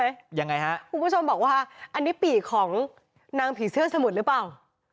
ยังไงฮะคุณผู้ชมบอกว่าอันนี้ปีกของนางผีเสื้อสมุทรหรือเปล่า